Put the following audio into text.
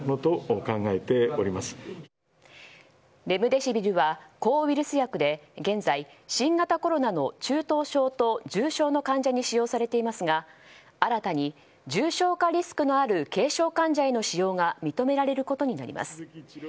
レムデシビルは抗ウイルス薬で現在、新型コロナの中等症と重症の患者に使用されていますが新たに、重症化リスクのある軽症患者への使用が認められることになります。